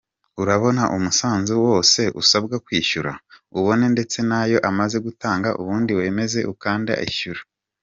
Urabona umusanzu wose usabwa kwishyura, ubone ndetse nayo amaze gutanga ubundi wemeze ukanda Ishyura.